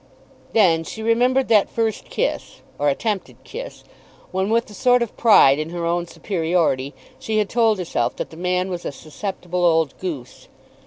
Then she remembered that first kiss, or attempted kiss, when, with a sort of pride in her own superiority, she had told herself that the man was a susceptible old goose.